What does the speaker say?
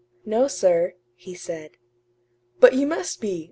"No, sir," he said. "But you must be!